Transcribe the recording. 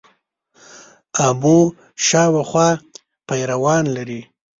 آمو شاوخوا پیروان لري.